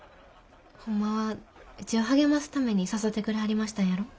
ほんまはうちを励ますために誘てくれはりましたんやろ。